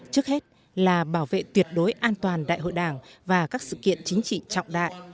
trước hết là bảo vệ tuyệt đối an toàn đại hội đảng và các sự kiện chính trị trọng đại